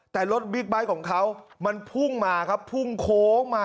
แต่รถบิ๊กไบท์ของเขามันพุ่งมาครับพุ่งโค้งมา